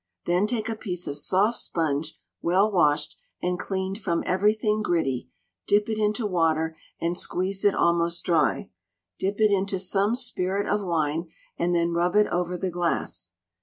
Then take a piece of soft sponge, well washed, and cleaned from everything gritty, dip it into water and squeeze it almost dry, dip it into some spirit of wine, and then rub it over the glass.